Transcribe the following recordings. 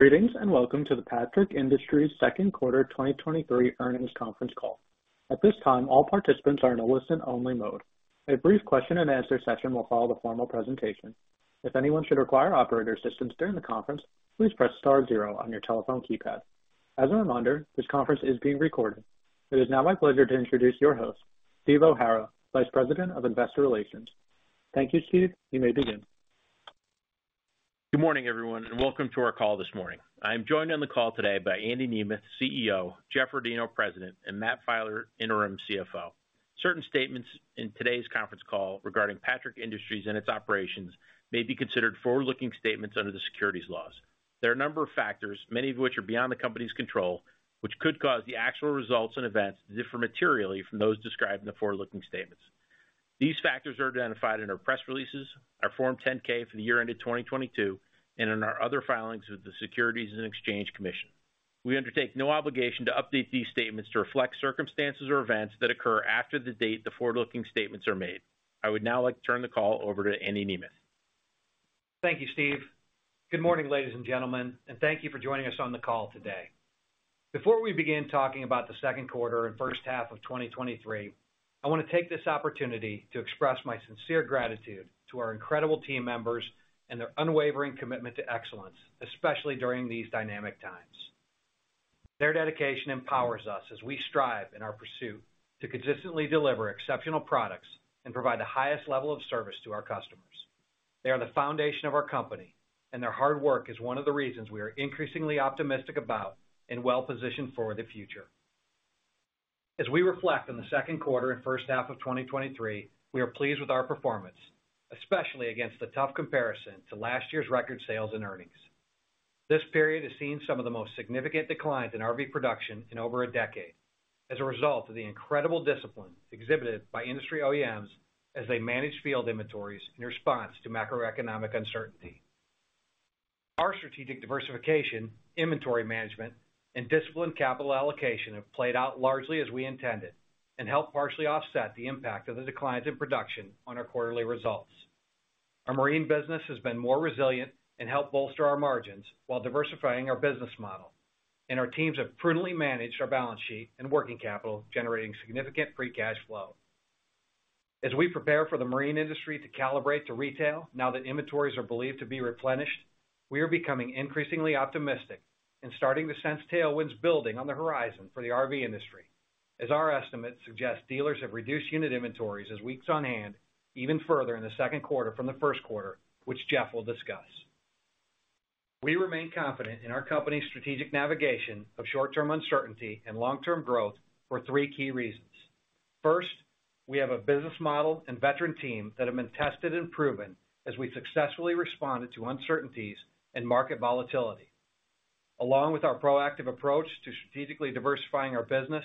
Greetings, and welcome to the Patrick Industries' second quarter 2023 earnings conference call. At this time, all participants are in a listen-only mode. A brief question and answer session will follow the formal presentation. If anyone should require operator assistance during the conference, please press star zero on your telephone keypad. As a reminder, this conference is being recorded. It is now my pleasure to introduce your host, Steve O'Hara, Vice President of Investor Relations. Thank you, Steve. You may begin. Good morning, everyone, and welcome to our call this morning. I am joined on the call today by Andy Nemeth, CEO, Jeff Rodino, President, and Matt Filer, Interim CFO. Certain statements in today's conference call regarding Patrick Industries and its operations may be considered forward-looking statements under the securities laws. There are a number of factors, many of which are beyond the company's control, which could cause the actual results and events to differ materially from those described in the forward-looking statements. These factors are identified in our press releases, our Form 10-K for the year ended 2022, and in our other filings with the Securities and Exchange Commission. We undertake no obligation to update these statements to reflect circumstances or events that occur after the date the forward-looking statements are made. I would now like to turn the call over to Andy Nemeth. Thank you, Steve. Good morning, ladies and gentlemen, and thank you for joining us on the call today. Before we begin talking about the second quarter and first half of 2023, I wanna take this opportunity to express my sincere gratitude to our incredible team members and their unwavering commitment to excellence, especially during these dynamic times. Their dedication empowers us as we strive in our pursuit to consistently deliver exceptional products and provide the highest level of service to our customers. They are the foundation of our company, and their hard work is one of the reasons we are increasingly optimistic about and well-positioned for the future. As we reflect on the second quarter and first half of 2023, we are pleased with our performance, especially against the tough comparison to last year's record sales and earnings. This period has seen some of the most significant declines in RV production in over a decade, as a result of the incredible discipline exhibited by industry OEMs as they manage field inventories in response to macroeconomic uncertainty. Our strategic diversification, inventory management, and disciplined capital allocation have played out largely as we intended and helped partially offset the impact of the declines in production on our quarterly results. Our marine business has been more resilient and helped bolster our margins while diversifying our business model, and our teams have prudently managed our balance sheet and working capital, generating significant free cash flow. As we prepare for the marine industry to calibrate to retail, now that inventories are believed to be replenished, we are becoming increasingly optimistic and starting to sense tailwinds building on the horizon for the RV industry, as our estimates suggest dealers have reduced unit inventories as weeks on hand even further in the second quarter from the first quarter, which Jeff will discuss. We remain confident in our company's strategic navigation of short-term uncertainty and long-term growth for three key reasons. First, we have a business model and veteran team that have been tested and proven as we successfully responded to uncertainties and market volatility. Along with our proactive approach to strategically diversifying our business,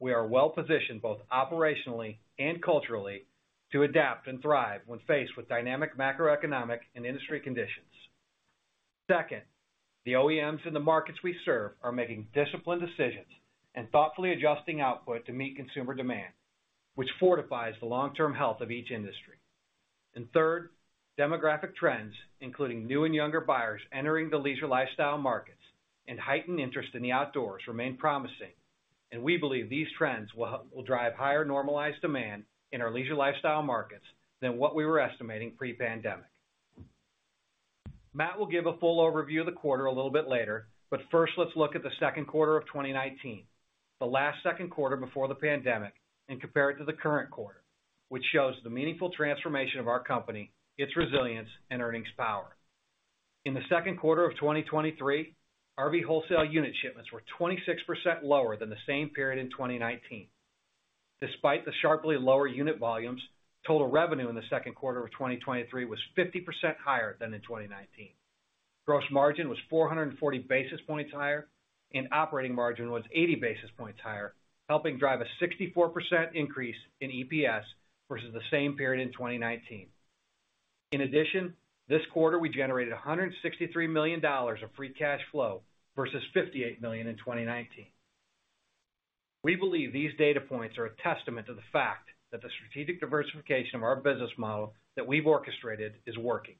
we are well positioned both operationally and culturally to adapt and thrive when faced with dynamic macroeconomic and industry conditions. Second, the OEMs in the markets we serve are making disciplined decisions and thoughtfully adjusting output to meet consumer demand, which fortifies the long-term health of each industry. Third, demographic trends, including new and younger buyers entering the leisure lifestyle markets and heightened interest in the outdoors, remain promising, and we believe these trends will drive higher normalized demand in our leisure lifestyle markets than what we were estimating pre-pandemic. Matt will give a full overview of the quarter a little bit later. First, let's look at the second quarter of 2019, the last second quarter before the pandemic, and compare it to the current quarter, which shows the meaningful transformation of our company, its resilience, and earnings power. In the second quarter of 2023, RV wholesale unit shipments were 26% lower than the same period in 2019. Despite the sharply lower unit volumes, total revenue in the second quarter of 2023 was 50% higher than in 2019. Gross margin was 440 basis points higher, and operating margin was 80 basis points higher, helping drive a 64% increase in EPS versus the same period in 2019. In addition, this quarter, we generated $163 million of free cash flow versus $58 million in 2019. We believe these data points are a testament to the fact that the strategic diversification of our business model that we've orchestrated is working.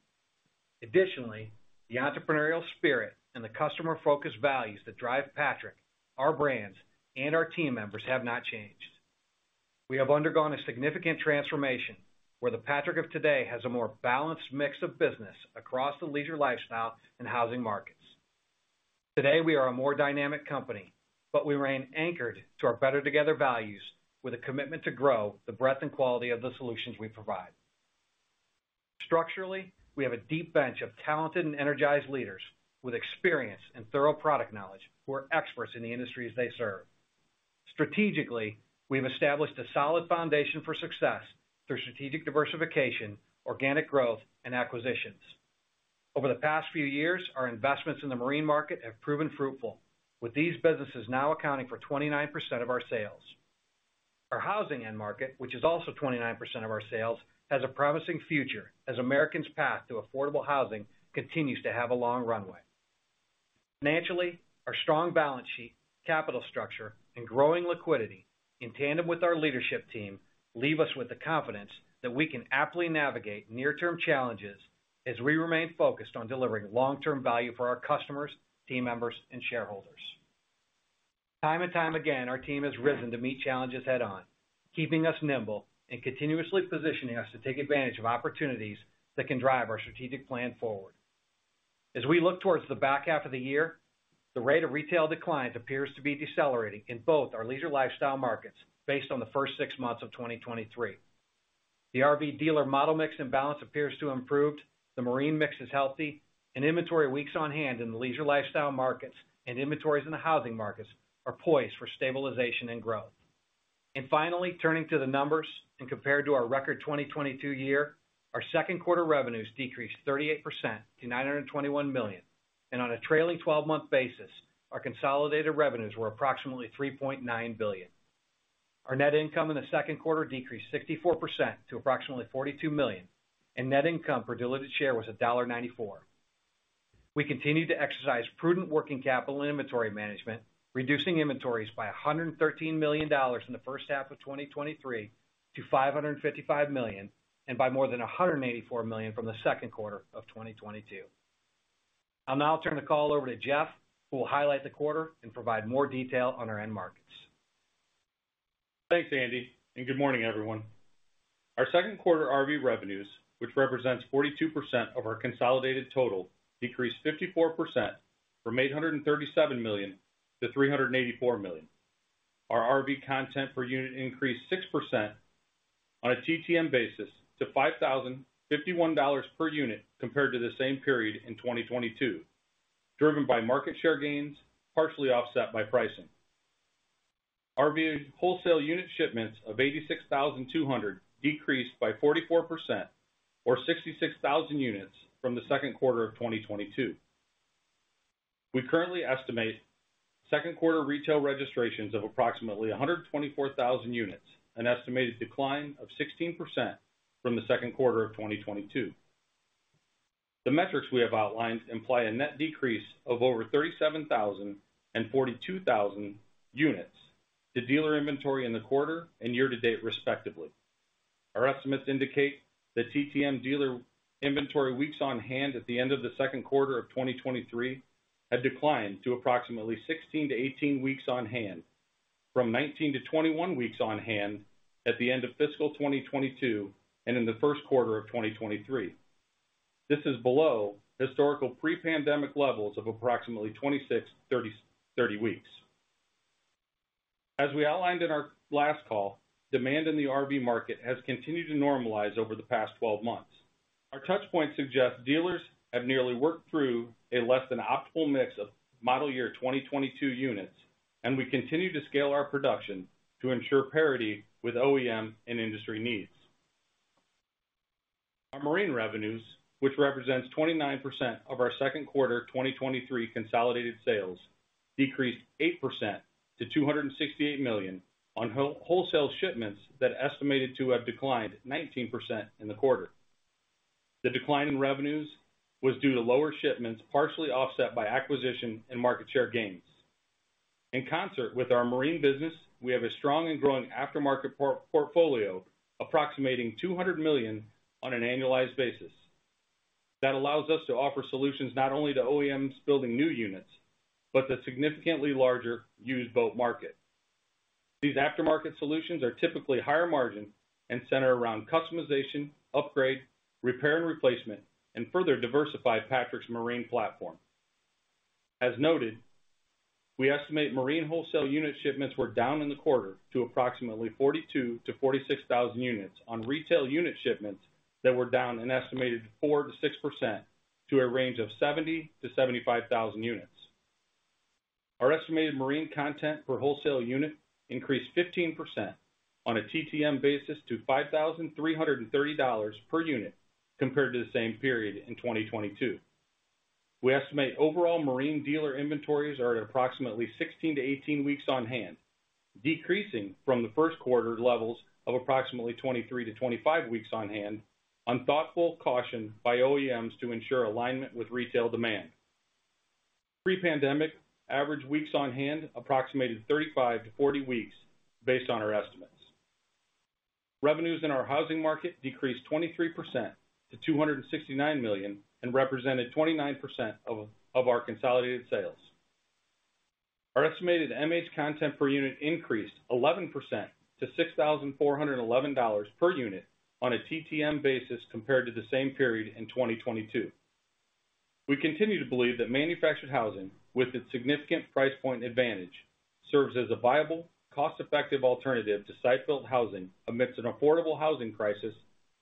Additionally, the entrepreneurial spirit and the customer-focused values that drive Patrick, our brands, and our team members have not changed. We have undergone a significant transformation, where the Patrick of today has a more balanced mix of business across the leisure, lifestyle, and housing markets. Today, we are a more dynamic company, but we remain anchored to our Better Together values, with a commitment to grow the breadth and quality of the solutions we provide. Structurally, we have a deep bench of talented and energized leaders with experience and thorough product knowledge, who are experts in the industries they serve. Strategically, we've established a solid foundation for success through strategic diversification, organic growth, and acquisitions. Over the past few years, our investments in the marine market have proven fruitful, with these businesses now accounting for 29% of our sales. Our housing end market, which is also 29% of our sales, has a promising future, as Americans' path to affordable housing continues to have a long runway. Financially, our strong balance sheet, capital structure, and growing liquidity in tandem with our leadership team, leave us with the confidence that we can aptly navigate near-term challenges as we remain focused on delivering long-term value for our customers, team members, and shareholders. Time and time again, our team has risen to meet challenges head-on, keeping us nimble and continuously positioning us to take advantage of opportunities that can drive our strategic plan forward. As we look towards the back half of the year, the rate of retail declines appears to be decelerating in both our leisure lifestyle markets based on the first six months of 2023. The RV dealer model mix and balance appears to have improved, the marine mix is healthy, and inventory weeks on hand in the leisure lifestyle markets and inventories in the housing markets are poised for stabilization and growth. Finally, turning to the numbers and compared to our record 2022 year, our second quarter revenues decreased 38% to $921 million, and on a trailing twelve-month basis, our consolidated revenues were approximately $3.9 billion. Our net income in the second quarter decreased 64% to approximately $42 million, and net income per diluted share was $1.94. We continued to exercise prudent working capital and inventory management, reducing inventories by $113 million in the first half of 2023 to $555 million, and by more than $184 million from the second quarter of 2022. I'll now turn the call over to Jeff, who will highlight the quarter and provide more detail on our end markets. Thanks, Andy. Good morning, everyone. Our second quarter RV revenues, which represents 42% of our consolidated total, decreased 54% from $837 million to $384 million. Our RV content per unit increased 6% on a TTM basis to $5,051 per unit compared to the same period in 2022, driven by market share gains, partially offset by pricing. RV wholesale unit shipments of 86,200 decreased by 44% or 66,000 units from the second quarter of 2022. We currently estimate second quarter retail registrations of approximately 124,000 units, an estimated decline of 16% from the second quarter of 2022. The metrics we have outlined imply a net decrease of over 37,000 and 42,000 units to dealer inventory in the quarter and year to date, respectively. Our estimates indicate that TTM dealer inventory weeks on hand at the end of the second quarter of 2023 have declined to approximately 16-18 weeks on hand, from 19-21 weeks on hand at the end of fiscal 2022 and in the first quarter of 2023. This is below historical pre-pandemic levels of approximately 26-30 weeks. As we outlined in our last call, demand in the RV market has continued to normalize over the past 12 months. Our touchpoints suggest dealers have nearly worked through a less than optimal mix of model year 2022 units, and we continue to scale our production to ensure parity with OEM and industry needs. Our marine revenues, which represents 29% of our second quarter 2023 consolidated sales, decreased 8% to $268 million on wholesale shipments that estimated to have declined 19% in the quarter. The decline in revenues was due to lower shipments, partially offset by acquisition and market share gains. In concert with our marine business, we have a strong and growing aftermarket portfolio, approximating $200 million on an annualized basis. That allows us to offer solutions not only to OEMs building new units, but the significantly larger used boat market. These aftermarket solutions are typically higher margin and center around customization, upgrade, repair and replacement, and further diversify Patrick's Marine platform. As noted, we estimate marine wholesale unit shipments were down in the quarter to approximately 42,000-46,000 units on retail unit shipments that were down an estimated 4%-6% to a range of 70,000-75,000 units. Our estimated marine content per wholesale unit increased 15% on a TTM basis to $5,330 per unit compared to the same period in 2022. We estimate overall marine dealer inventories are at approximately 16-18 weeks on hand, decreasing from the first quarter levels of approximately 23-25 weeks on hand on thoughtful caution by OEMs to ensure alignment with retail demand. Pre-pandemic, average weeks on hand approximated 35-40 weeks based on our estimates. Revenues in our housing market decreased 23% to $269 million and represented 29% of our consolidated sales. Our estimated MH content per unit increased 11% to $6,411 per unit on a TTM basis compared to the same period in 2022. We continue to believe that manufactured housing, with its significant price point advantage, serves as a viable, cost-effective alternative to site-built housing amidst an affordable housing crisis,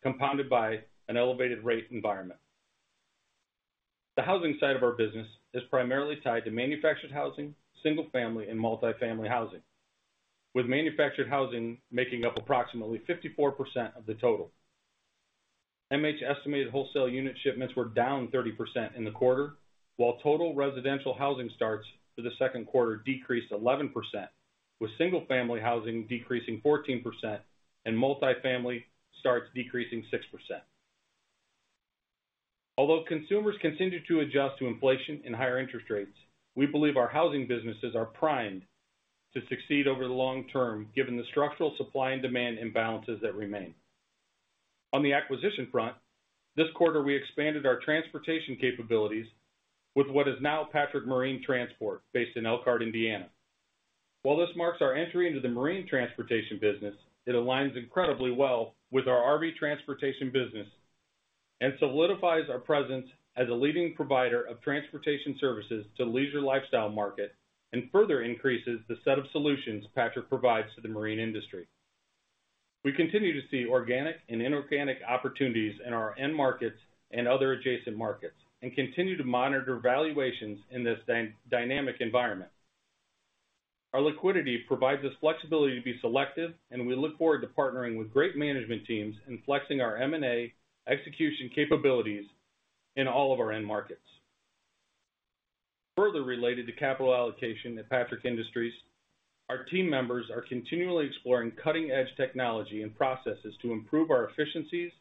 compounded by an elevated rate environment. The housing side of our business is primarily tied to manufactured housing, single-family, and multifamily housing, with manufactured housing making up approximately 54% of the total. MH estimated wholesale unit shipments were down 30% in the quarter, while total residential housing starts for the second quarter decreased 11%, with single-family housing decreasing 14% and multifamily starts decreasing 6%. Although consumers continue to adjust to inflation and higher interest rates, we believe our housing businesses are primed to succeed over the long term, given the structural supply and demand imbalances that remain. On the acquisition front, this quarter, we expanded our transportation capabilities with what is now Patrick Marine Transport, based in Elkhart, Indiana. While this marks our entry into the marine transportation business, it aligns incredibly well with our RV transportation business and solidifies our presence as a leading provider of transportation services to leisure lifestyle market, and further increases the set of solutions Patrick provides to the marine industry. We continue to see organic and inorganic opportunities in our end markets and other adjacent markets, and continue to monitor valuations in this dynamic environment. Our liquidity provides us flexibility to be selective, and we look forward to partnering with great management teams and flexing our M&A execution capabilities in all of our end markets. Further related to capital allocation at Patrick Industries, our team members are continually exploring cutting-edge technology and processes to improve our efficiencies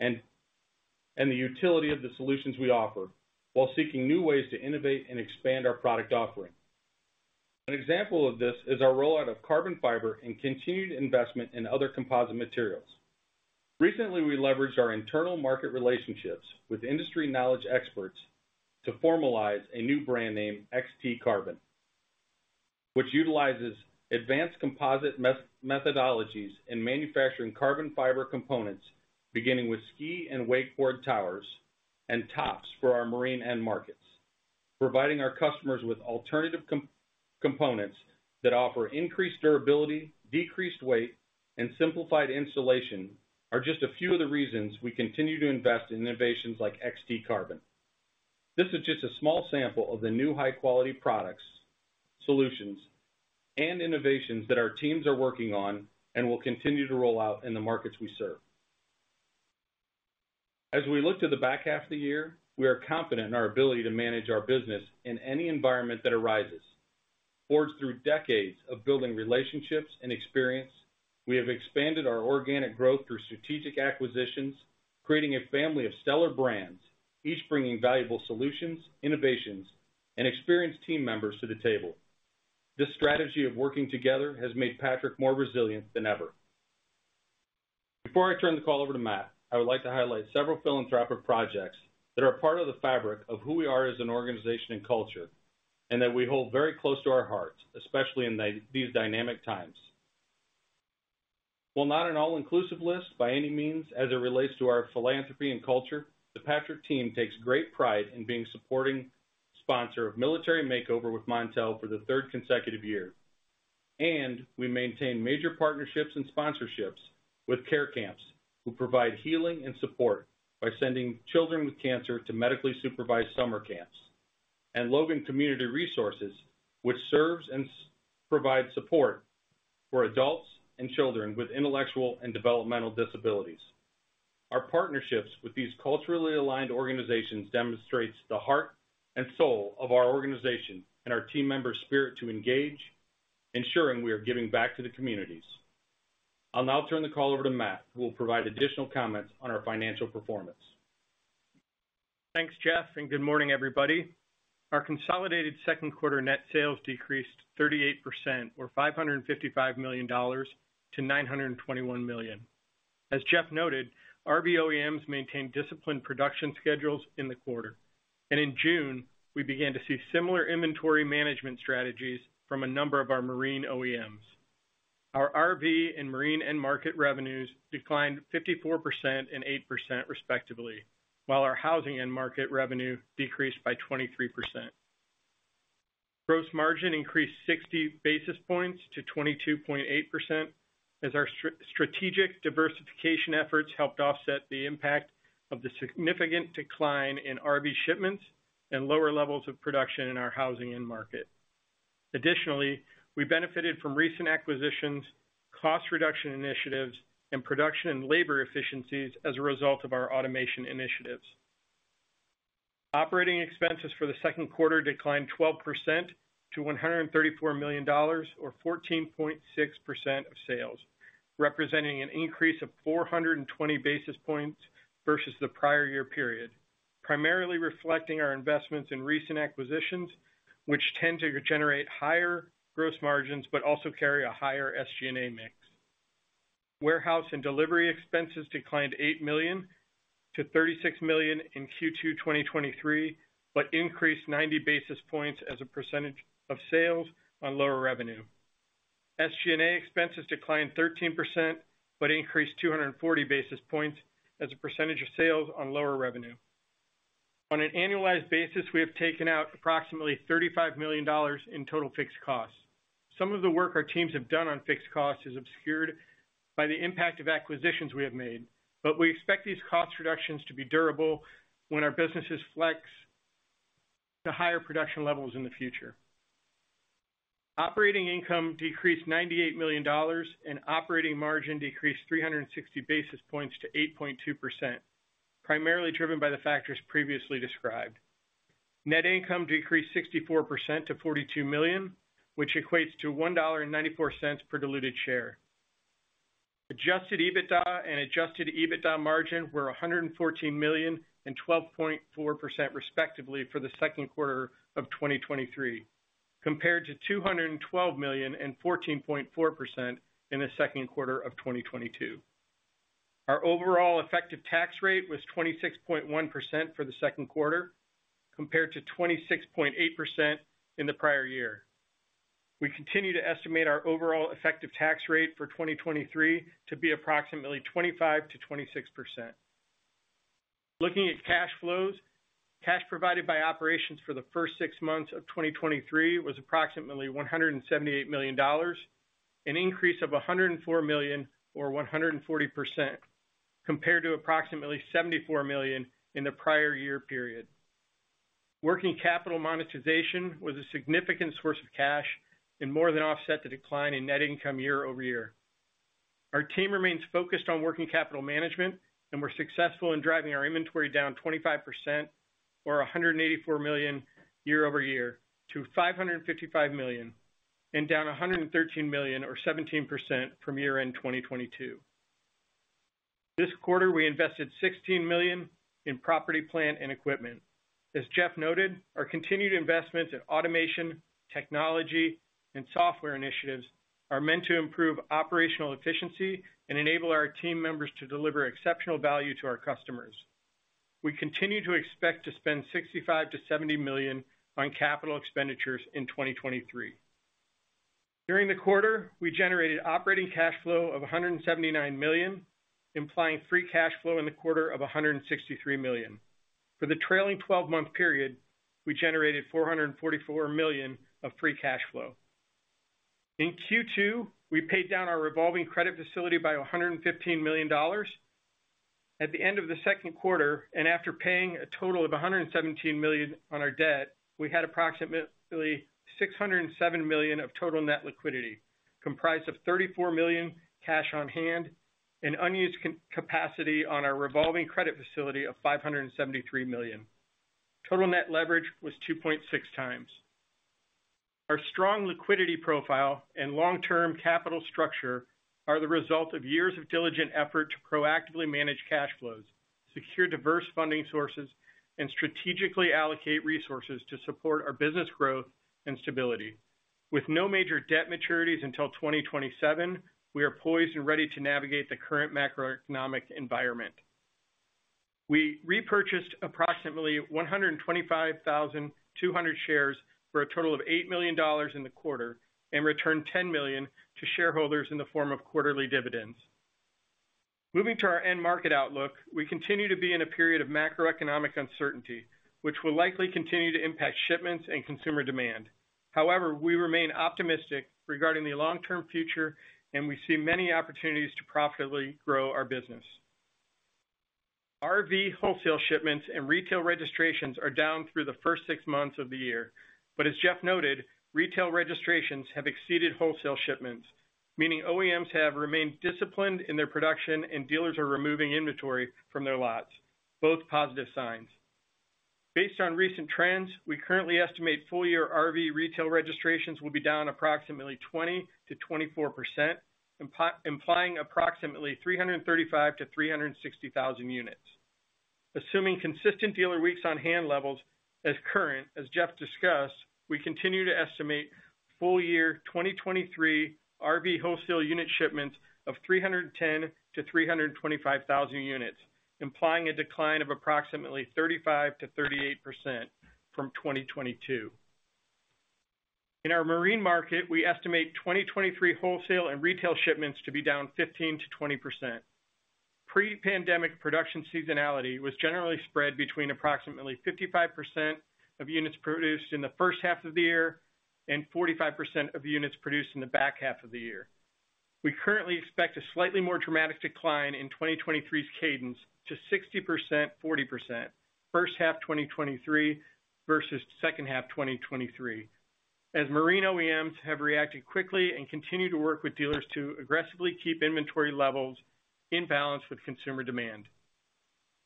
and the utility of the solutions we offer, while seeking new ways to innovate and expand our product offering. An example of this is our rollout of carbon fiber and continued investment in other composite materials. Recently, we leveraged our internal market relationships with industry knowledge experts to formalize a new brand name, XT Carbon, which utilizes advanced composite methodologies in manufacturing carbon fiber components, beginning with ski and wakeboard towers and tops for our marine end markets. Providing our customers with alternative components that offer increased durability, decreased weight, and simplified installation are just a few of the reasons we continue to invest in innovations like XT Carbon. This is just a small sample of the new high-quality products, solutions, and innovations that our teams are working on and will continue to roll out in the markets we serve. As we look to the back half of the year, we are confident in our ability to manage our business in any environment that arises. Forged through decades of building relationships and experience, we have expanded our organic growth through strategic acquisitions, creating a family of stellar brands, each bringing valuable solutions, innovations, and experienced team members to the table. This strategy of working together has made Patrick more resilient than ever. Before I turn the call over to Matt, I would like to highlight several philanthropic projects that are part of the fabric of who we are as an organization and culture, and that we hold very close to our hearts, especially in these dynamic times. While not an all-inclusive list by any means, as it relates to our philanthropy and culture, the Patrick team takes great pride in being supporting sponsor of Military Makeover with Montel for the third consecutive year. We maintain major partnerships and sponsorships with Care Camps, who provide healing and support by sending children with cancer to medically supervised summer camps, and Logan Community Resources, which serves and provides support for adults and children with intellectual and developmental disabilities. Our partnerships with these culturally aligned organizations demonstrates the heart and soul of our organization and our team members' spirit to engage, ensuring we are giving back to the communities. I'll now turn the call over to Matt, who will provide additional comments on our financial performance. Thanks, Jeff. Good morning, everybody. Our consolidated second quarter net sales decreased 38% or $555 million to $921 million. As Jeff noted, RV OEMs maintained disciplined production schedules in the quarter. In June, we began to see similar inventory management strategies from a number of our marine OEMs. Our RV and marine end market revenues declined 54% and 8%, respectively, while our housing end market revenue decreased by 23%. Gross margin increased 60 basis points to 22.8%, as our strategic diversification efforts helped offset the impact of the significant decline in RV shipments and lower levels of production in our housing end market. We benefited from recent acquisitions, cost reduction initiatives, and production and labor efficiencies as a result of our automation initiatives. Operating expenses for the second quarter declined 12% to $134 million, or 14.6% of sales, representing an increase of 420 basis points versus the prior year period, primarily reflecting our investments in recent acquisitions, which tend to generate higher gross margins, but also carry a higher SG&A mix. Warehouse and delivery expenses declined $8 million to $36 million in Q2 2023, increased 90 basis points as a percentage of sales on lower revenue. SG&A expenses declined 13%, increased 240 basis points as a percentage of sales on lower revenue. On an annualized basis, we have taken out approximately $35 million in total fixed costs. Some of the work our teams have done on fixed costs is obscured by the impact of acquisitions we have made, but we expect these cost reductions to be durable when our businesses flex to higher production levels in the future. Operating income decreased $98 million, and operating margin decreased 360 basis points to 8.2%, primarily driven by the factors previously described. Net income decreased 64% to $42 million, which equates to $1.94 per diluted share. Adjusted EBITDA and adjusted EBITDA margin were $114 million and 12.4% respectively for the second quarter of 2023, compared to $212 million and 14.4% in the second quarter of 2022. Our overall effective tax rate was 26.1% for the second quarter, compared to 26.8% in the prior year. We continue to estimate our overall effective tax rate for 2023 to be approximately 25%-26%. Looking at cash flows, cash provided by operations for the first six months of 2023 was approximately $178 million, an increase of $104 million or 140% compared to approximately $74 million in the prior year period. Working capital monetization was a significant source of cash and more than offset the decline in net income year-over-year. Our team remains focused on working capital management. We're successful in driving our inventory down 25% or $184 million year-over-year to $555 million, and down $113 million or 17% from year-end 2022. This quarter, we invested $16 million in property, plant, and equipment. As Jeff noted, our continued investments in automation, technology, and software initiatives are meant to improve operational efficiency and enable our team members to deliver exceptional value to our customers. We continue to expect to spend $65 million-$70 million on capital expenditures in 2023. During the quarter, we generated operating cash flow of $179 million, implying free cash flow in the quarter of $163 million. For the trailing twelve-month period, we generated $444 million of free cash flow. In Q2, we paid down our revolving credit facility by $115 million. At the end of the second quarter, and after paying a total of $117 million on our debt, we had approximately $607 million of total net liquidity, comprised of $34 million cash on hand and unused capacity on our revolving credit facility of $573 million. Total net leverage was 2.6 times. Our strong liquidity profile and long-term capital structure are the result of years of diligent effort to proactively manage cash flows, secure diverse funding sources, and strategically allocate resources to support our business growth and stability. With no major debt maturities until 2027, we are poised and ready to navigate the current macroeconomic environment. We repurchased approximately 125,200 shares for a total of $8 million in the quarter and returned $10 million to shareholders in the form of quarterly dividends. Moving to our end market outlook, we continue to be in a period of macroeconomic uncertainty, which will likely continue to impact shipments and consumer demand. We remain optimistic regarding the long-term future, and we see many opportunities to profitably grow our business. RV wholesale shipments and retail registrations are down through the first six months of the year. As Jeff noted, retail registrations have exceeded wholesale shipments, meaning OEMs have remained disciplined in their production, and dealers are removing inventory from their lots, both positive signs. Based on recent trends, we currently estimate full-year RV retail registrations will be down approximately 20%-24%, implying approximately 335,000-360,000 units. Assuming consistent dealer weeks on hand levels as current, as Jeff discussed, we continue to estimate full year 2023 RV wholesale unit shipments of 310,000-325,000 units, implying a decline of approximately 35%-38% from 2022. In our marine market, we estimate 2023 wholesale and retail shipments to be down 15%-20%. Pre-pandemic production seasonality was generally spread between approximately 55% of units produced in the first half of the year and 45% of units produced in the back half of the year. We currently expect a slightly more dramatic decline in 2023's cadence to 60%, 40%, first half 2023 versus second half 2023, as marine OEMs have reacted quickly and continue to work with dealers to aggressively keep inventory levels in balance with consumer demand.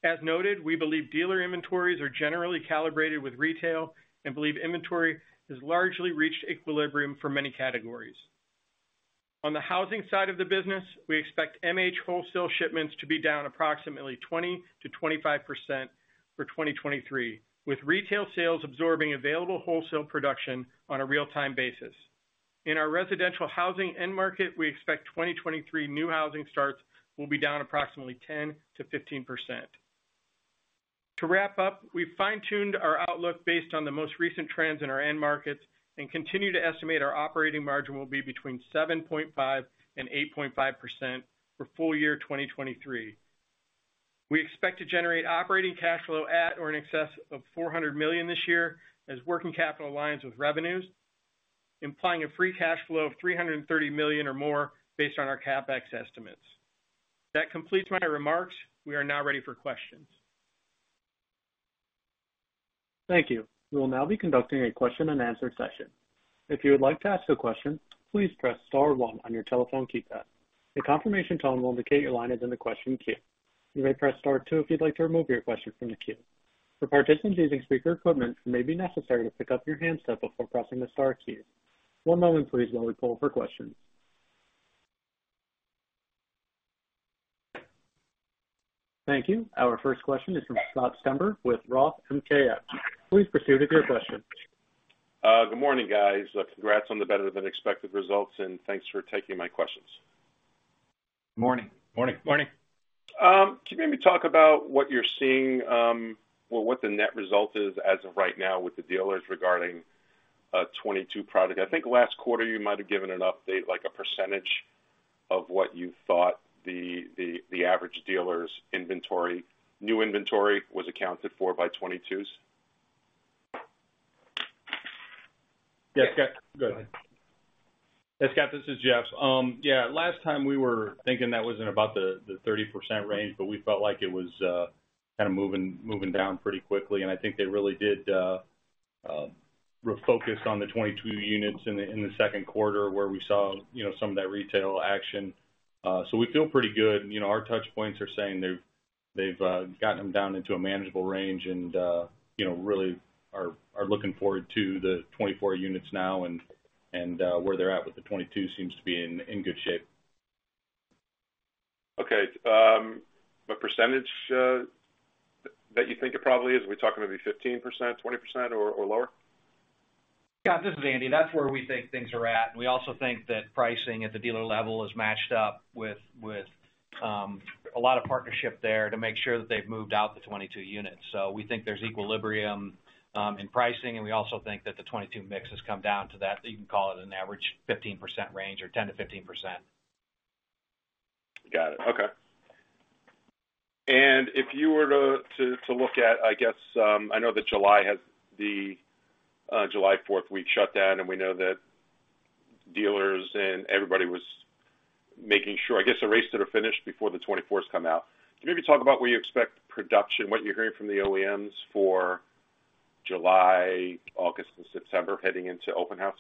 As noted, we believe dealer inventories are generally calibrated with retail and believe inventory has largely reached equilibrium for many categories. On the housing side of the business, we expect MH wholesale shipments to be down approximately 20%-25% for 2023, with retail sales absorbing available wholesale production on a real-time basis. In our residential housing end market, we expect 2023 new housing starts will be down approximately 10%-15%. To wrap up, we've fine-tuned our outlook based on the most recent trends in our end markets and continue to estimate our operating margin will be between 7.5% and 8.5% for full year 2023. We expect to generate operating cash flow at or in excess of $400 million this year, as working capital aligns with revenues, implying a free cash flow of $330 million or more based on our CapEx estimates. That completes my remarks. We are now ready for questions. Thank you. We will now be conducting a question-and-answer session. If you would like to ask a question, please press star one on your telephone keypad. A confirmation tone will indicate your line is in the question queue. You may press star two if you'd like to remove your question from the queue. For participants using speaker equipment, it may be necessary to pick up your handset before pressing the star key. One moment please while we poll for questions. Thank you. Our first question is from Scott Stemper with Roth MKM. Please proceed with your question. Good morning, guys. Congrats on the better-than-expected results, and thanks for taking my questions. Morning. Morning. Morning. Can you maybe talk about what you're seeing, or what the net result is as of right now with the dealers regarding 2022 product? I think last quarter you might have given an update, like a % of what you thought the average dealer's inventory, new inventory was accounted for by 2022s. Yes, Scott. Go ahead. Hey, Scott, this is Jeff. Last time we were thinking that was in about the 30% range, but we felt like it was kind of moving down pretty quickly. I think they really did refocus on the 22 units in the second quarter, where we saw some of that retail action. We feel pretty good. You know, our touchpoints are saying they've gotten them down into a manageable range and really are looking forward to the 24 units now and where they're at with the 22 seems to be in good shape. Okay. What percentage that you think it probably is? Are we talking maybe 15%, 20%, or lower? Scott, this is Andy. That's where we think things are at. We also think that pricing at the dealer level is matched up with a lot of partnership there to make sure that they've moved out the 22 units. We think there's equilibrium in pricing, we also think that the 22 mix has come down to that. You can call it an average 15% range or 10%-15%. Got it. Okay. If you were to look at, I guess, I know that July has the July fourth week shutdown. We know that dealers and everybody was making sure, I guess, the races are finished before the 24s come out. Can you maybe talk about where you expect production, what you're hearing from the OEMs for July, August, and September heading into open house?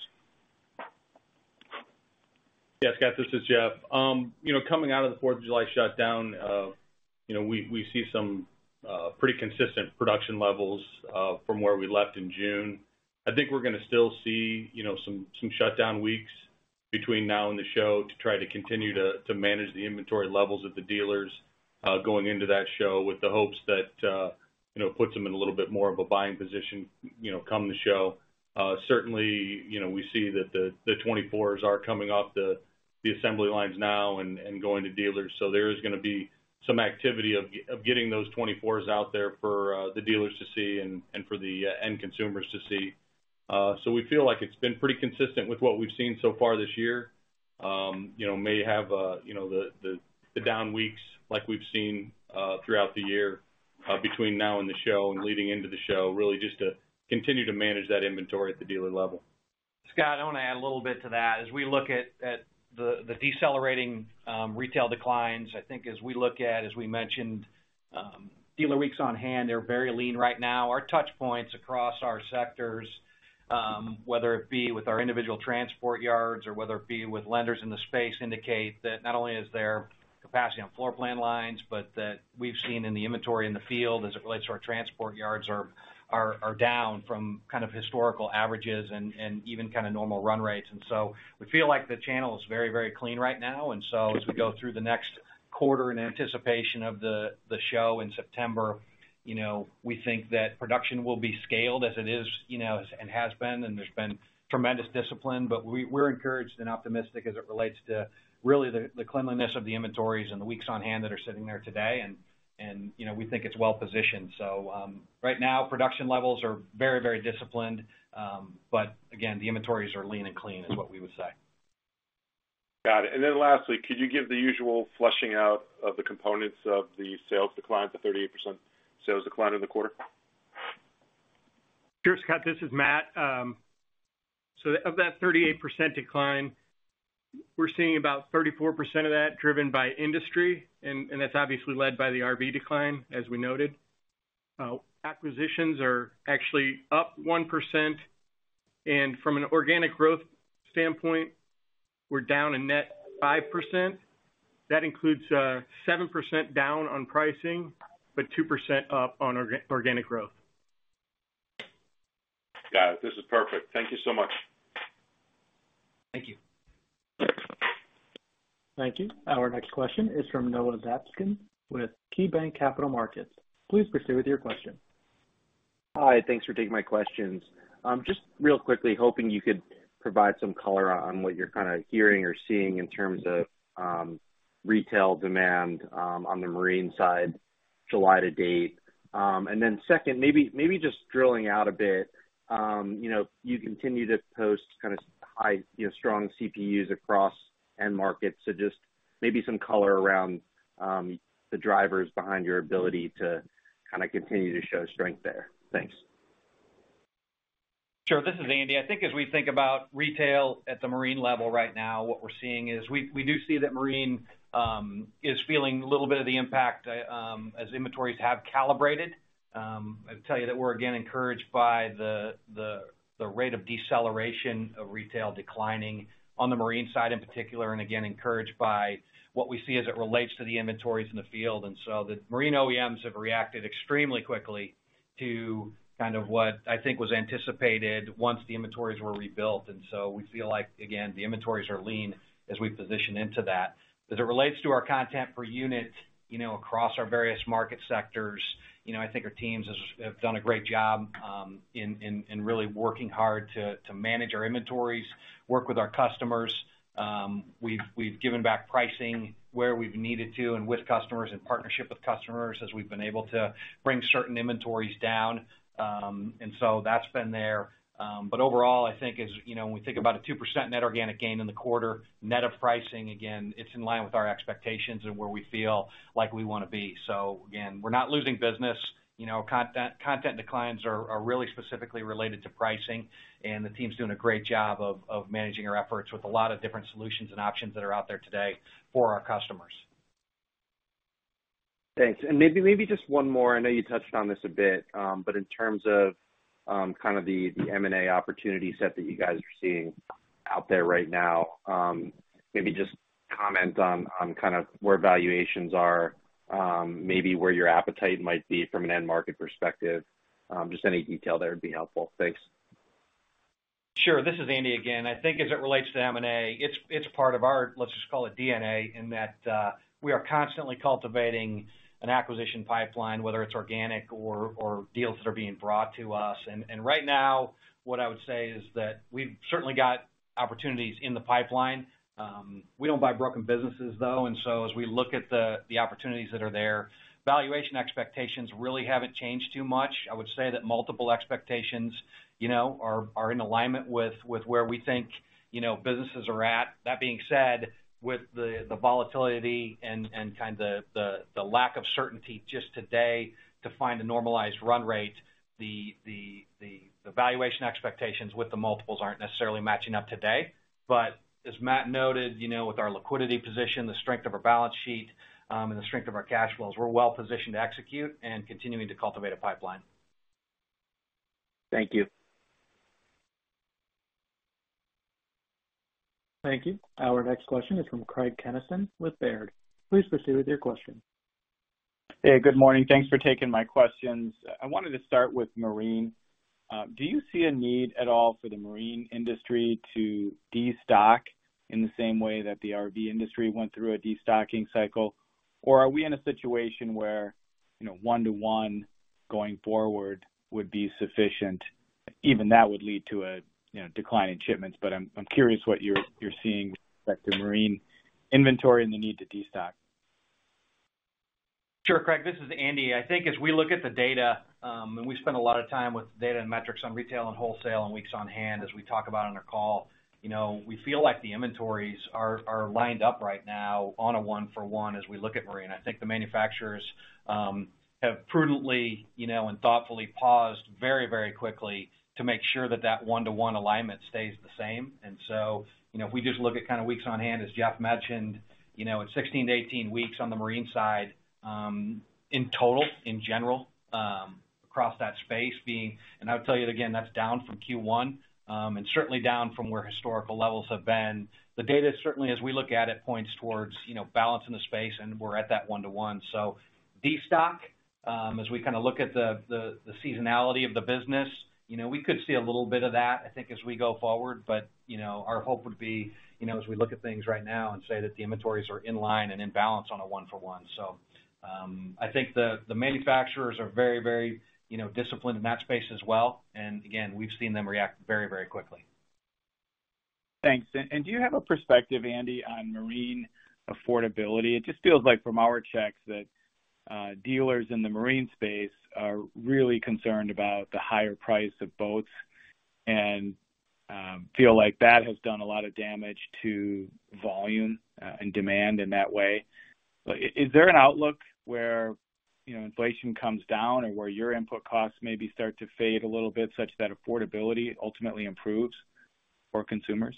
Scott, this is Jeff. You know, coming out of the Fourth of July shutdown we see some pretty consistent production levels from where we left in June. I think we're gonna still see some shutdown weeks between now and the show to try to continue to manage the inventory levels at the dealers going into that show, with the hopes that it puts them in a little bit more of a buying position come the show. certainly we see that the 2024s are coming off the assembly lines now and going to dealers. There is gonna be some activity of getting those 2024s out there for the dealers to see and for the end consumers to see. We feel like it's been pretty consistent with what we've seen so far this year. You know, may have the down weeks like we've seen throughout the year, between now and the show and leading into the show, really just to continue to manage that inventory at the dealer level. Scott, I want to add a little bit to that. As we look at the decelerating retail declines, I think as we look at, as we mentioned, dealer weeks on hand, they're very lean right now. Our touch points across our sectors, whether it be with our individual transport yards or whether it be with lenders in the space, indicate that not only is there capacity on floor plan lines, but that we've seen in the inventory in the field, as it relates to our transport yards, are down from kind of historical averages and even kind of normal run rates. We feel like the channel is very, very clean right now. As we go through the next quarter in anticipation of the, the show in september we think that production will be scaled as it is as it has been, and there's been tremendous discipline. We're encouraged and optimistic as it relates to really the, the cleanliness of the inventories and the weeks on hand that are sitting there today. You know, we think it's well positioned. Right now, production levels are very, very disciplined. Again, the inventories are lean and clean, is what we would say. Got it. Lastly, could you give the usual flushing out of the components of the sales decline, the 38% sales decline in the quarter? Sure, Scott, this is Matt. Of that 38% decline, we're seeing about 34% of that driven by industry, and that's obviously led by the RV decline, as we noted. Acquisitions are actually up 1%, and from an organic growth standpoint, we're down a net 5%. That includes 7% down on pricing, but 2% up on organic growth. Got it. This is perfect. Thank you so much. Thank you. Thank you. Our next question is from Noah Zatzkin with KeyBanc Capital Markets. Please proceed with your question. Hi, thanks for taking my questions. Just real quickly, hoping you could provide some color on what you're kind of hearing or seeing in terms of retail demand on the marine side, July to date. Second, maybe just drilling out a bit you continue to post kind of high strong CPUs across end markets. Just maybe some color around the drivers behind your ability to kind of continue to show strength there. Thanks. Sure. This is Andy. I think as we think about retail at the marine level right now, what we're seeing is we do see that marine is feeling a little bit of the impact as inventories have calibrated. I'd tell you that we're again encouraged by the rate of deceleration of retail declining on the marine side in particular, and again, encouraged by what we see as it relates to the inventories in the field. The marine OEMs have reacted extremely quickly to kind of what I think was anticipated once the inventories were rebuilt. We feel like, again, the inventories are lean as we position into that. As it relates to our content per unit across our various market sectors I think our teams have done a great job in really working hard to manage our inventories, work with our customers. We've given back pricing where we've needed to and with customers, in partnership with customers, as we've been able to bring certain inventories down. That's been there. Overall, I think as when we think about a 2% net organic gain in the quarter, net of pricing, again, it's in line with our expectations and where we feel like we wanna be. Again, we're not losing business. Content declines are really specifically related to pricing. The team's doing a great job of, of managing our efforts with a lot of different solutions and options that are out there today for our customers. Thanks. Maybe just one more. I know you touched on this a bit. In terms of, kind of the M&A opportunity set that you guys are seeing out there right now, maybe just comment on kind of where valuations are, maybe where your appetite might be from an end market perspective. Just any detail there would be helpful. Thanks. Sure. This is Andy again. I think as it relates to M&A, it's part of our, let's just call it DNA, in that we are constantly cultivating an acquisition pipeline, whether it's organic or deals that are being brought to us. Right now, what I would say is that we've certainly got opportunities in the pipeline. We don't buy broken businesses, though. As we look at the opportunities that are there, valuation expectations really haven't changed too much. I would say that multiple expectations are in alignment with where we think businesses are at. That being said, with the volatility and kind of the lack of certainty just today to find a normalized run rate, the valuation expectations with the multiples aren't necessarily matching up today. As Matt noted with our liquidity position, the strength of our balance sheet, and the strength of our cash flows, we're well positioned to execute and continuing to cultivate a pipeline. Thank you. Thank you. Our next question is from Craig Kennison with Baird. Please proceed with your question. Hey, good morning. Thanks for taking my questions. I wanted to start with marine. Do you see a need at all for the marine industry to destock in the same way that the RV industry went through a destocking cycle? Are we in a situation where one to one going forward would be sufficient, even that would lead to a decline in shipments? I'm curious what you're seeing with respect to marine inventory and the need to destock. Sure, Craig. This is Andy. I think as we look at the data, and we spend a lot of time with data and metrics on retail and wholesale and weeks on hand, as we talk about on our call we feel like the inventories are lined up right now on a 1 for 1 as we look at marine. I think the manufacturers have prudently and thoughtfully paused very quickly to make sure that that 1-to-1 alignment stays the same. If we just look at kind of weeks on hand, as Jeff mentioned it's 16-18 weeks on the marine side, in total, in general, across that space being. I would tell you again, that's down from Q1, and certainly down from where historical levels have been. The data, certainly as we look at it, points towards balance in the space, and we're at that 1 to 1. Destock, as we kind of look at the seasonality of the business we could see a little bit of that, I think, as we go forward. You know, our hope would be as we look at things right now and say that the inventories are in line and in balance on a 1 for 1. I think the manufacturers are very, very disciplined in that space as well. Again, we've seen them react very, very quickly. Thanks. Do you have a perspective, Andy, on marine affordability? It just feels like from our checks that dealers in the marine space are really concerned about the higher price of boats and feel like that has done a lot of damage to volume and demand in that way. Is there an outlook where inflation comes down or where your input costs maybe start to fade a little bit, such that affordability ultimately improves for consumers?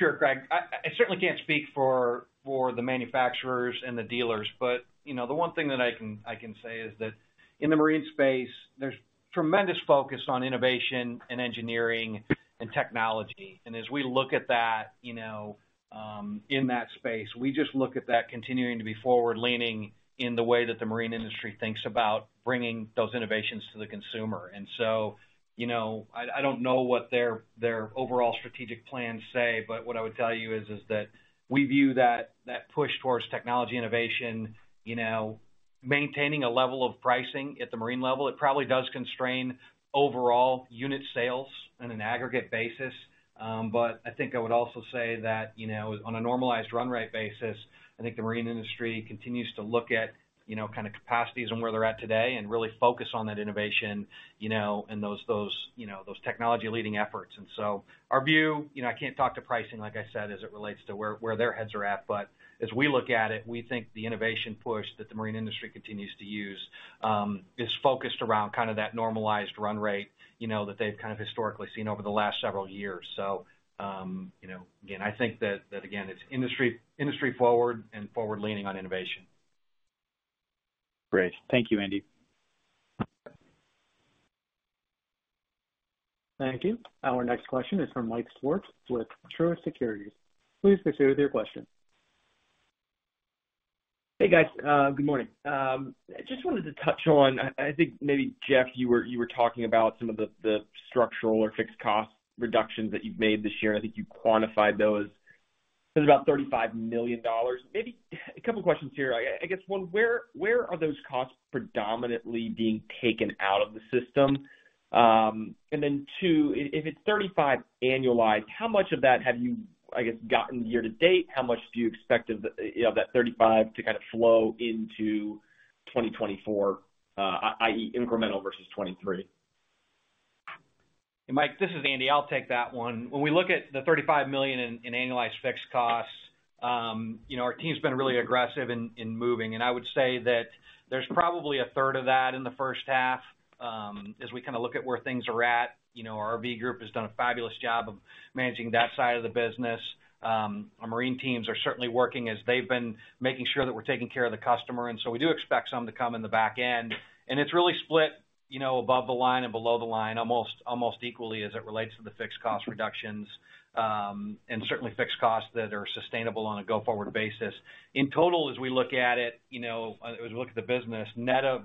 Sure, Craig. I certainly can't speak for the manufacturers and the dealers, but the one thing that I can say is that in the marine space, there's tremendous focus on innovation and engineering and technology. As we look at that in that space, we just look at that continuing to be forward-leaning in the way that the marine industry thinks about bringing those innovations to the consumer. You know, I don't know what their, their overall strategic plans say, but what I would tell you is that we view that push towards technology innovation maintaining a level of pricing at the marine level, it probably does constrain overall unit sales on an aggregate basis. I think I would also say that on a normalized run rate basis, I think the marine industry continues to look at kind of capacities and where they're at today and really focus on that innovation and those, those those technology leading efforts. Our view I can't talk to pricing, like I said, as it relates to where, where their heads are at, but as we look at it, we think the innovation push that the marine industry continues to use, is focused around kind of that normalized run rate that they've kind of historically seen over the last several years. You know, again, I think that, that, again, it's industry forward and forward-leaning on innovation. Great. Thank you, Andy. Thank you. Our next question is from Mike Swartz with Truist Securities. Please proceed with your question. Hey, guys, good morning. I just wanted to touch on, I think maybe, Jeff, you were talking about some of the structural or fixed cost reductions that you've made this year, and I think you quantified those. It was about $35 million. Maybe a couple questions here. I guess, one, where are those costs predominantly being taken out of the system? Two, if it's 35 annualized, how much of that have you, I guess, gotten year to date? How much do you expect of that 35 to kind of flow into 2024, i.e., incremental versus 2023? Hey, Mike, this is Andy. I'll take that one. When we look at the $35 million in annualized fixed costs our team's been really aggressive in moving, and I would say that there's probably a third of that in the first half. As we kind of look at where things are at our RV group has done a fabulous job of managing that side of the business. Our marine teams are certainly working as they've been making sure that we're taking care of the customer, so we do expect some to come in the back end. It's really split above the line and below the line, almost equally as it relates to the fixed cost reductions, and certainly fixed costs that are sustainable on a go-forward basis. In total, as we look at it as we look at the business, net of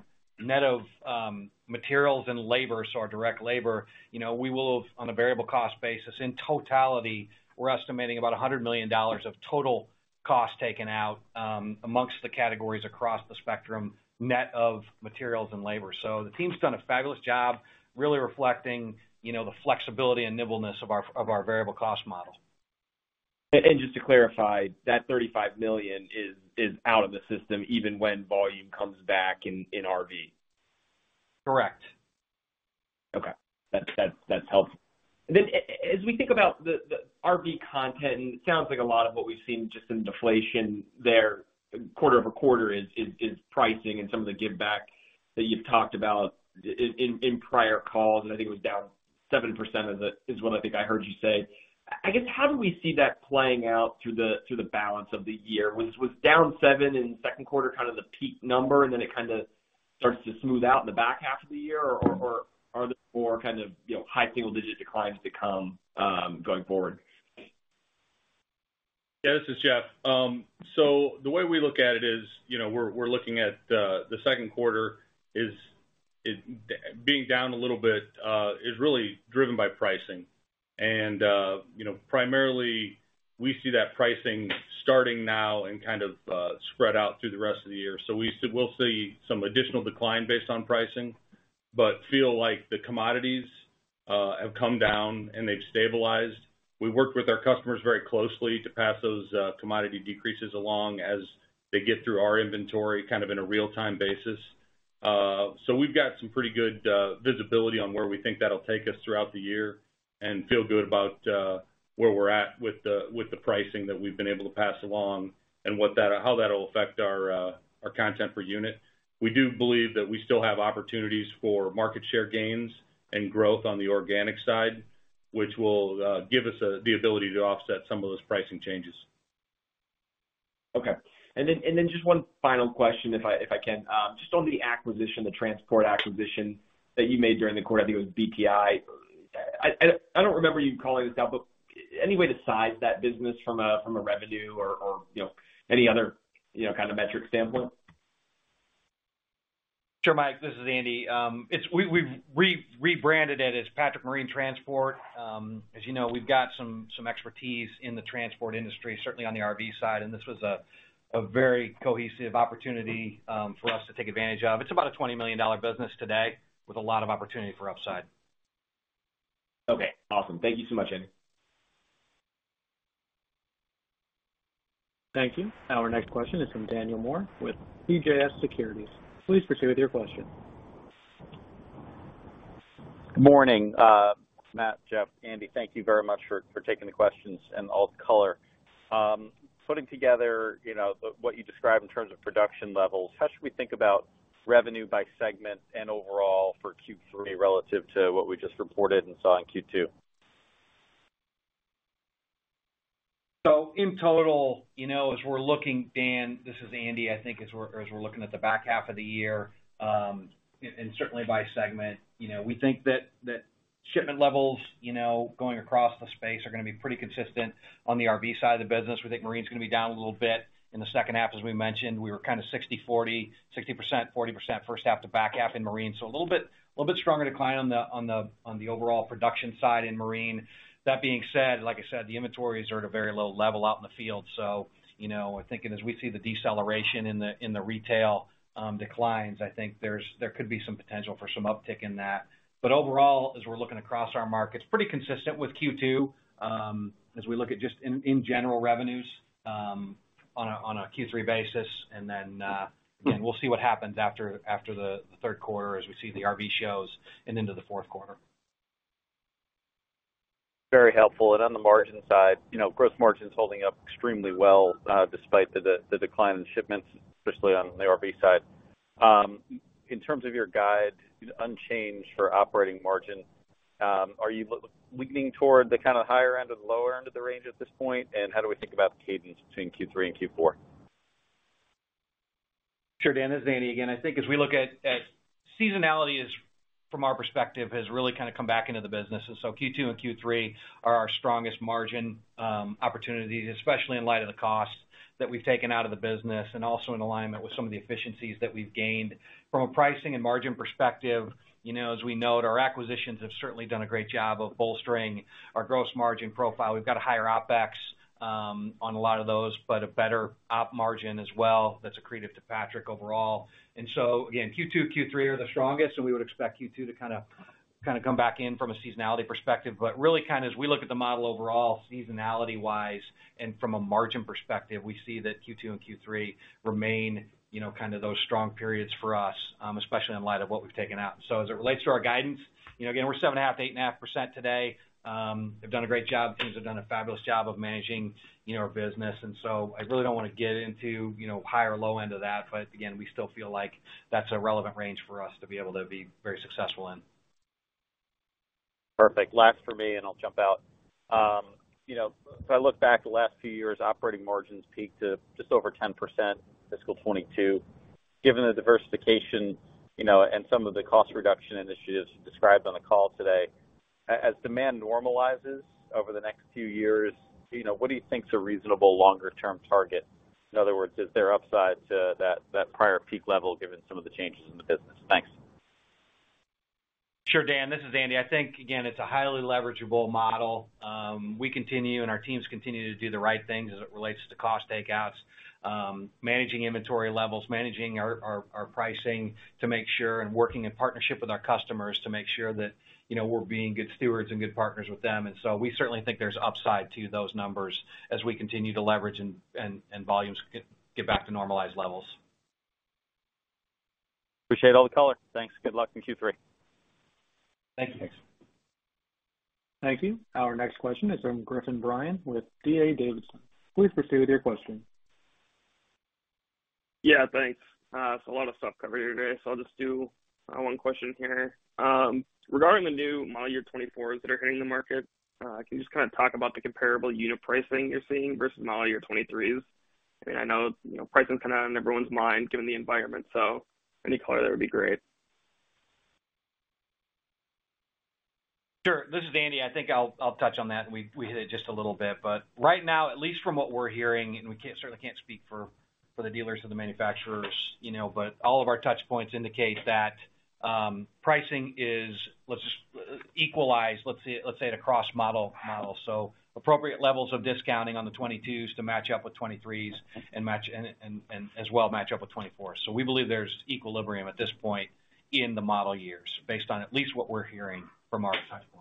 materials and labor, so our direct labor we will have, on a variable cost basis, in totality, we're estimating about $100 million of total costs taken out, amongst the categories across the spectrum, net of materials and labor. The team's done a fabulous job, really reflecting the flexibility and nimbleness of our variable cost model. Just to clarify, that $35 million is out of the system even when volume comes back in, in RV? Correct. Okay, that's, that's, that's helpful. As we think about the RV content, it sounds like a lot of what we've seen just in deflation there, quarter-over-quarter is pricing and some of the giveback that you've talked about in prior calls, I think it was down 7% is what I think I heard you say. I guess, how do we see that playing out through the balance of the year? Was down 7 in the second quarter, kind of the peak number, then it kind of starts to smooth out in the back half of the year, or are there more kind of high single-digit declines to come going forward? Yeah, this is Jeff. The way we look at it is we're looking at the second quarter is being down a little bit is really driven by pricing. primarily we see that pricing starting now and kind of spread out through the rest of the year. We'll see some additional decline based on pricing, but feel like the commodities have come down and they've stabilized. We worked with our customers very closely to pass those commodity decreases along as they get through our inventory, kind of in a real-time basis. So we've got some pretty good visibility on where we think that'll take us throughout the year and feel good about where we're at with the pricing that we've been able to pass along and what that. How that'll affect our content per unit. We do believe that we still have opportunities for market share gains and growth on the organic side, which will give us the ability to offset some of those pricing changes. Okay. Then just one final question, if I can. Just on the acquisition, the transport acquisition that you made during the quarter, I think it was BTI. I don't remember you calling this out, but any way to size that business from a revenue or any other kind of metric standpoint? Sure, Mike, this is Andy. We've rebranded it as Patrick Marine Transport. As you know, we've got some expertise in the transport industry, certainly on the RV side, and this was a very cohesive opportunity for us to take advantage of. It's about a $20 million business today with a lot of opportunity for upside. Okay, awesome. Thank you so much, Andy. Thank you. Our next question is from Daniel Moore with CJS Securities. Please proceed with your question. Good morning, Matt, Jeff, Andy, thank you very much for taking the questions and all the color. Putting together what you described in terms of production levels, how should we think about revenue by segment and overall for Q3 relative to what we just reported and saw in Q2? In total as we're looking, Dan, this is Andy. I think as we're looking at the back half of the year, and certainly by segment we think that shipment levels going across the space are going to be pretty consistent on the RV side of the business. We think marine's going to be down a little bit in the second half. As we mentioned, we were kind of 60%, 40%, 60%, 40%, first half to back half in marine. A little bit stronger decline on the overall production side in marine. That being said, like I said, the inventories are at a very low level out in the field. You know, we're thinking as we see the deceleration in the, in the retail, declines, I think there could be some potential for some uptick in that. Overall, as we're looking across our markets, pretty consistent with Q2, as we look at just in, in general, revenues, on a, on a Q3 basis. Again, we'll see what happens after, after the, the third quarter, as we see the RV shows and into the fourth quarter. Very helpful. On the margin side gross margin is holding up extremely well, despite the decline in shipments, especially on the RV side. In terms of your guide, unchanged for operating margin, are you leaning toward the kind of higher end of the lower end of the range at this point? How do we think about the cadence between Q3 and Q4? Sure, Dan, this is Andy again. I think as we look at, at seasonality is, from our perspective, has really kind of come back into the business. Q2 and Q3 are our strongest margin opportunity, especially in light of the costs that we've taken out of the business and also in alignment with some of the efficiencies that we've gained. From a pricing and margin perspective as we note, our acquisitions have certainly done a great job of bolstering our gross margin profile. We've got a higher OpEx on a lot of those, but a better op margin as well that's accretive to Patrick overall. Again, Q2, Q3 are the strongest, and we would expect Q2 to kind of come back in from a seasonality perspective. Really, kind of as we look at the model overall, seasonality-wise and from a margin perspective, we see that Q2 and Q3 remain kind of those strong periods for us, especially in light of what we've taken out. As it relates to our guidance again, we're 7.5%-8.5% today. They've done a great job. Teams have done a fabulous job of managing our business. I really don't want to get into high or low end of that. Again, we still feel like that's a relevant range for us to be able to be very successful in. Perfect. Last for me, and I'll jump out. you know, if I look back the last few years, operating margins peaked to just over 10%, fiscal 2022. Given the diversification and some of the cost reduction initiatives described on the call today, as demand normalizes over the next few years what do you think is a reasonable longer-term target? In other words, is there upside to that prior peak level, given some of the changes in the business? Thanks. Sure, Dan, this is Andy. I think, again, it's a highly leverageable model. We continue and our teams continue to do the right things as it relates to cost takeouts, managing inventory levels, managing our pricing to make sure and working in partnership with our customers to make sure that we're being good stewards and good partners with them. We certainly think there's upside to those numbers as we continue to leverage and volumes get back to normalized levels. Appreciate all the color. Thanks. Good luck in Q3. Thank you. Thank you. Our next question is from Griffin Bryan with D.A. Davidson. Please proceed with your question. Yeah, thanks. A lot of stuff covered here today, I'll just do one question here. Regarding the new model year 24s that are hitting the market, can you just kind of talk about the comparable unit pricing you're seeing versus model year 23s? I mean, I know pricing's kind of on everyone's mind given the environment, any color there would be great. Sure. This is Andy. I think I'll touch on that, and we hit it just a little bit. Right now, at least from what we're hearing, and we certainly can't speak for the dealers or the manufacturers but all of our touch points indicate that pricing is let's just equalize. Let's say at a cross-model, model. Appropriate levels of discounting on the 2022s to match up with 2023s and as well match up with 2024s. We believe there's equilibrium at this point in the model years, based on at least what we're hearing from our touchpoints.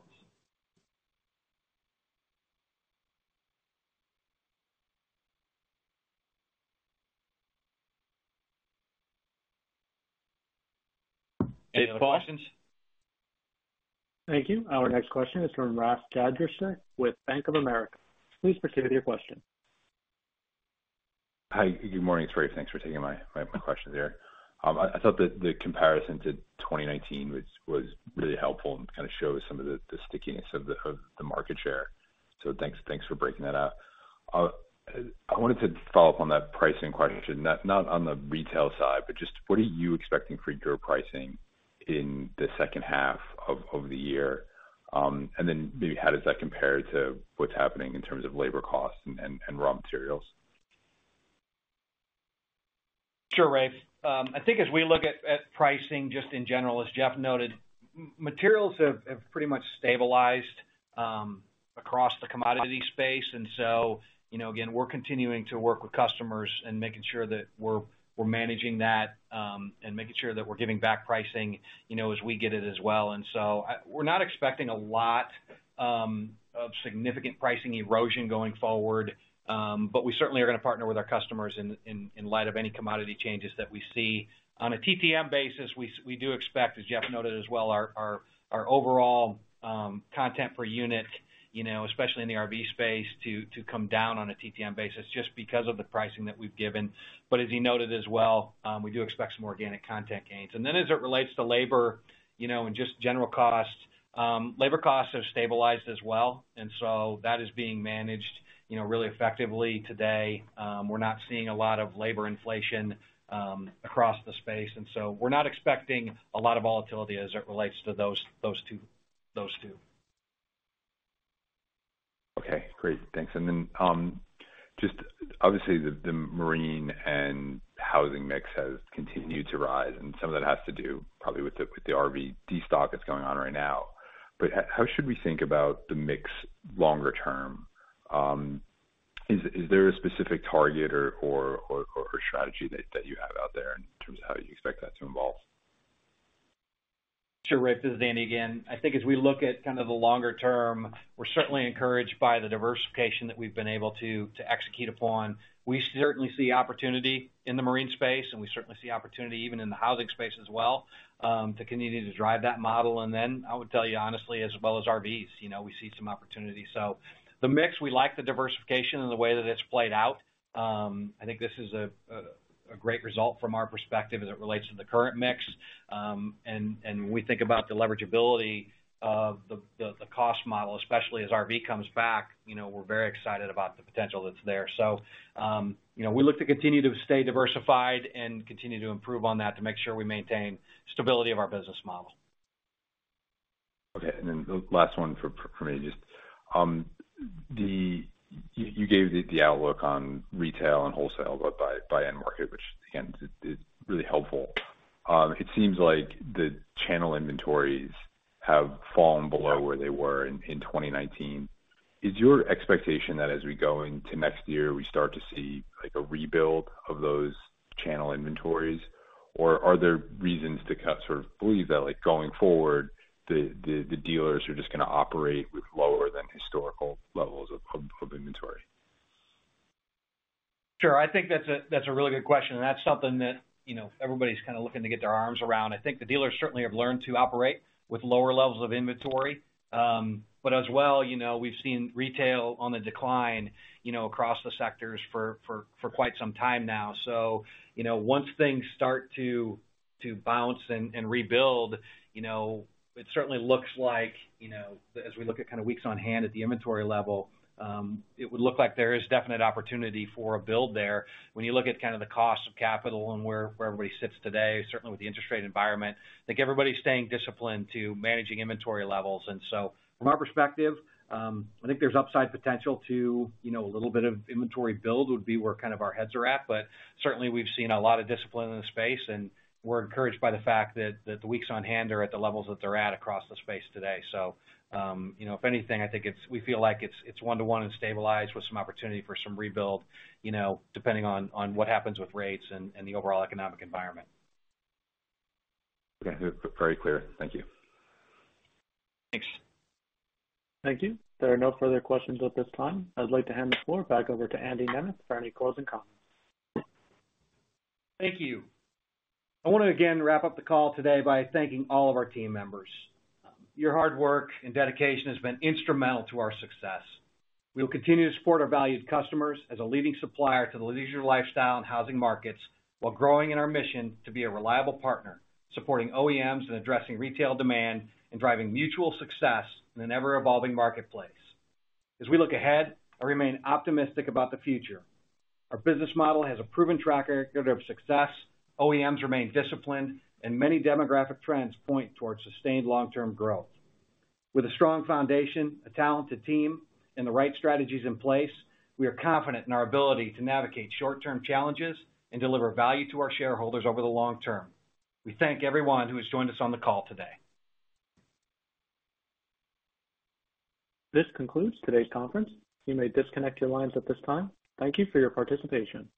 Any other questions? Thank you. Our next question is from Rafe Jadrosich with Bank of America. Please proceed with your question. Hi, good morning, it's Ray. Thanks for taking my questions here. I thought that the comparison to 2019 was really helpful and kind of shows some of the stickiness of the market share. Thanks for breaking that out. I wanted to follow up on that pricing question, not on the retail side, but just what are you expecting for your pricing in the second half of the year? And then maybe how does that compare to what's happening in terms of labor costs and raw materials? Sure, Ray. I think as we look at pricing, just in general, as Jeff noted, materials have pretty much stabilized across the commodity space. Again, we're continuing to work with customers and making sure that we're managing that and making sure that we're giving back pricing as we get it as well. We're not expecting a lot of significant pricing erosion going forward, but we certainly are going to partner with our customers in light of any commodity changes that we see. On a TTM basis, we do expect, as Jeff noted as well, our overall content per unit especially in the RV space, to come down on a TTM basis just because of the pricing that we've given. As he noted as well, we do expect some organic content gains. As it relates to labor and just general costs, labor costs have stabilized as well, that is being managed really effectively today. We're not seeing a lot of labor inflation across the space, we're not expecting a lot of volatility as it relates to those two. Okay, great. Thanks. just obviously, the marine and housing mix has continued to rise, and some of that has to do probably with the RV destock that's going on right now. how should we think about the mix longer term? is there a specific target or strategy that you have out there in terms of how you expect that to evolve? Sure, Ray, this is Andy again. I think as we look at kind of the longer term, we're certainly encouraged by the diversification that we've been able to, to execute upon. We certainly see opportunity in the marine space, and we certainly see opportunity even in the housing space as well. To continue to drive that model. I would tell you honestly, as well as rvs we see some opportunities. The mix, we like the diversification and the way that it's played out. I think this is a great result from our perspective as it relates to the current mix. When we think about the leveragability of the cost model, especially as RV comes back we're very excited about the potential that's there. We look to continue to stay diversified and continue to improve on that to make sure we maintain stability of our business model. The last one for me. You gave the outlook on retail and wholesale by end market, which, again, is really helpful. It seems like the channel inventories have fallen below where they were in 2019. Is your expectation that as we go into next year, we start to see, like, a rebuild of those channel inventories? Are there reasons to kind of sort of believe that, like, going forward, the dealers are just going to operate with lower than historical levels of inventory? Sure. I think that's a, that's a really good question, and that's something that everybody's kind of looking to get their arms around. I think the dealers certainly have learned to operate with lower levels of inventory. As well we've seen retail on the decline across the sectors for quite some time now. You know, once things start to, to bounce and, and rebuild it certainly looks like as we look at kind of weeks on hand at the inventory level, it would look like there is definite opportunity for a build there. You look at kind of the cost of capital and where, where everybody sits today, certainly with the interest rate environment, I think everybody's staying disciplined to managing inventory levels. From our perspective, I think there's upside potential to a little bit of inventory build would be where kind of our heads are at. Certainly, we've seen a lot of discipline in the space, and we're encouraged by the fact that the weeks on hand are at the levels that they're at across the space today. You know, if anything, I think we feel like it's, it's one to one and stabilized with some opportunity for some rebuild depending on what happens with rates and the overall economic environment. Okay. Very clear. Thank you. Thanks. Thank you. There are no further questions at this time. I'd like to hand the floor back over to Andy Nemeth for any closing comments. Thank you. I want to again wrap up the call today by thanking all of our team members. Your hard work and dedication has been instrumental to our success. We will continue to support our valued customers as a leading supplier to the leisure, lifestyle, and housing markets, while growing in our mission to be a reliable partner, supporting OEMs and addressing retail demand and driving mutual success in an ever-evolving marketplace. As we look ahead, I remain optimistic about the future. Our business model has a proven track record of success, OEMs remain disciplined, and many demographic trends point towards sustained long-term growth. With a strong foundation, a talented team, and the right strategies in place, we are confident in our ability to navigate short-term challenges and deliver value to our shareholders over the long term. We thank everyone who has joined us on the call today. This concludes today's conference. You may disconnect your lines at this time. Thank you for your participation.